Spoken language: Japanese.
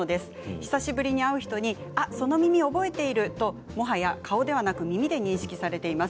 久しぶりに会う人にその耳に覚えていると、もはや顔ではなく耳で認識されています。